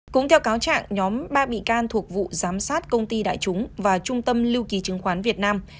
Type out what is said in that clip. cũng theo cáo trạng nhóm ba bị can thuộc vụ giám sát công ty đại chúng và trung tâm lưu ký chứng khoán việt nam